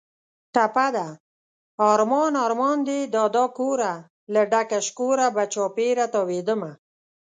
ټپه ده: ارمان ارمان دې دادا کوره، له ډکه شکوره به چاپېره تاوېدمه